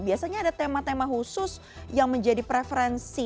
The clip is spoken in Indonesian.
biasanya ada tema tema khusus yang menjadi preferensi